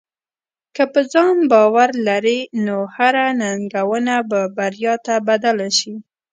که په ځان باور لرې، نو هره ننګونه به بریا ته بدل شي.